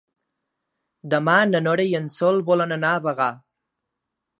Demà na Nora i en Sol volen anar a Bagà.